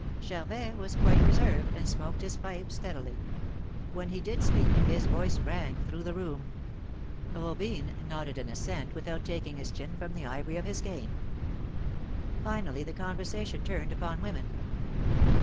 Char vet was quite reserved, and smoked his pipe steadily. When he did speak, his voice rang through the room, Robine nodded an assent without taking his chin from the ivory of his cane. Finally the conversation turned upon women.